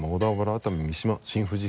熱海三島新富士